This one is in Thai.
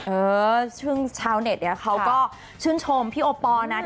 เออช่วงชาวแก่เขาก็ชื่นชมพี่โอปอล์นะ